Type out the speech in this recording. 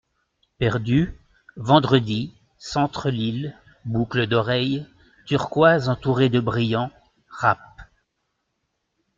Perdu, Vendredi, centre Lille, boucle d'oreille, turquoise entourée de brillants, rapp.